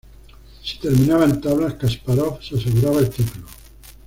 Si terminaba en tablas Kaspárov se aseguraba el título.